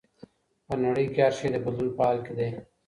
په نړۍ کي هر شی د بدلون په حال کي دی.